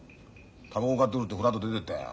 たばこ買ってくるってフラッと出てったよ。